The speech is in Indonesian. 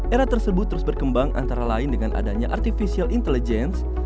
era tersebut terus berkembang antara lain dengan adanya artificial intelligence